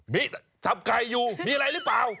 มีจับไก่อยู่มีอะไรหรือเปล่า